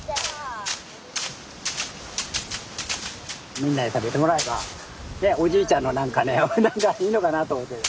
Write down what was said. みんなに食べてもらえばおじいちゃんの何かねいいのかなあと思って。